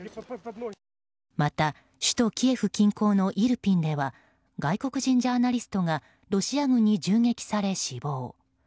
また首都キエフ近郊のイルピンでは外国人ジャーナリストがロシア軍に銃撃され死亡。